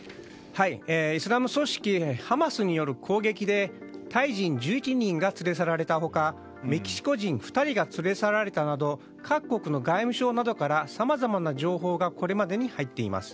イスラム組織ハマスによる攻撃でタイ人１１人が連れ去られた他メキシコ人２人が連れ去られたなど各国の外務省などからさまざまな情報がこれまでに入っています。